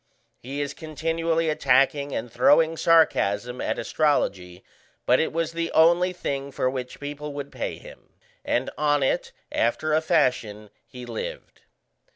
He is continually attacking and throwing sarcasm at astrology, but it was the only thing for which people would pay him, and on it after a fashion he lived.